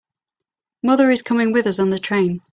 Mother is coming with us on the train.